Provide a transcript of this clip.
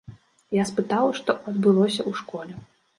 Я спытаў, што адбылося ў школе.